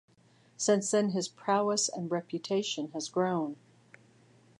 Since then his prowess and reputation have grown.